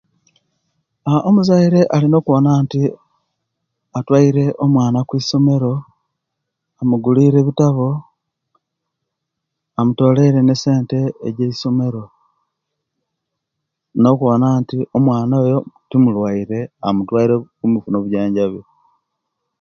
Aa omuzaire alina okubona nti atwaire omawana okwisomero amugulire ebitabo amutolere nesente eje'somero nokuwona nti omwana oyo timulwaire amutwaire okufuna obwijanjabi